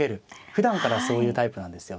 ふだんからそういうタイプなんですよね。